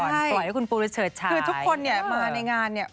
ปล่อยให้คุณปูรัชเชิดชายคือทุกคนมาในงานเนี่ย